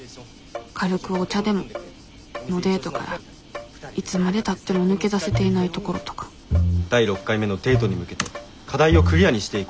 軽くお茶でものデートからいつまでたっても抜け出せていないところとか第６回目のデートに向けて課題をクリアにしていこうと思います。